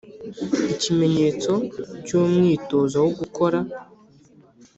Ikimenyetso cy’umwitozo wo gukora